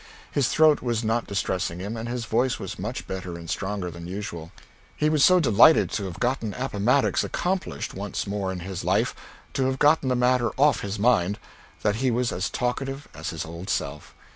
His throat was not distressing him, and his voice was much better and stronger than usual. He was so delighted to have gotten Appomattox accomplished once more in his life to have gotten the matter off his mind that he was as talkative as his old self.